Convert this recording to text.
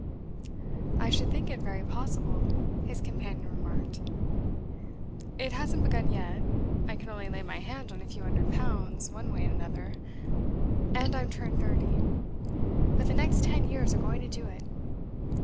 'I should think it very possible,' his companion remarked. 'It hasn't begun yet. I can only lay my hand on a few hundred pounds, one way and another. And I'm turned thirty. But the next ten years are going to do it.